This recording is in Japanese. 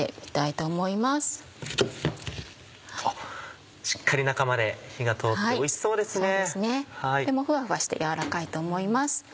とってもフワフワして軟らかいと思います。